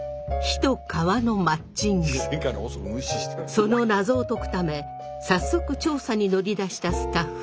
その謎を解くため早速調査に乗り出したスタッフ。